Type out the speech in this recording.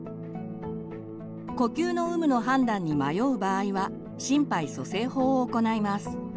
呼吸の有無の判断に迷う場合は心肺蘇生法を行います。